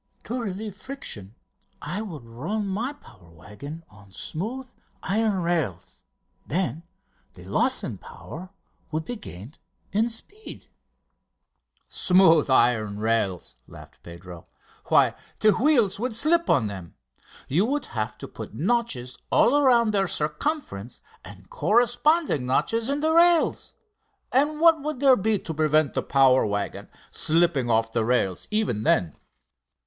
"To relieve friction I would run my power waggon on smooth iron rails, then the loss in power would be gained in speed." "Smooth iron rails!" laughed Pedro. "Why, the wheels would slip on them. You would have to put notches all round their circumference and corresponding notches in the rails. And what would there be to prevent the power waggon slipping off the rails even then?"